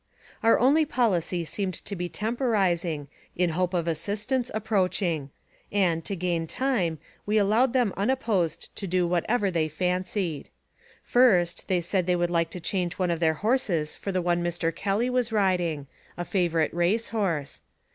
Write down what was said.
Our only policy seemed to be temporizing, in hope of assistance approaching; and, to gain time, we allowed them unopposed to do whatever they fancied. First, they said they would like to change one of their horses for the one Mr. Kelly was riding, a favorite race horse.